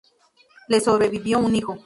Le sobrevivió un hijo.